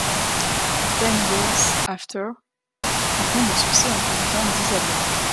Ten Years After rencontre le succès en publiant dix albums.